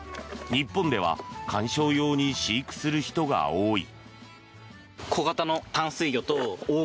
日本では観賞用に飼育する人が多い。